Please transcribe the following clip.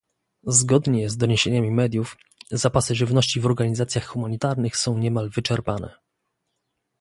Zgodnie z doniesieniami mediów, zapasy żywności w organizacjach humanitarnych są niemal wyczerpane